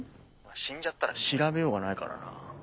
死んじゃったら調べようがないからな。